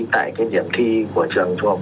tại cái điểm thi của trường trung học